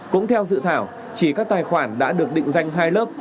cũng theo dự thảo chỉ các tài khoản đã được định danh hai lớp